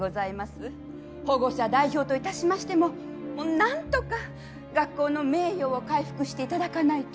保護者代表と致しましてもなんとか学校の名誉を回復して頂かないと。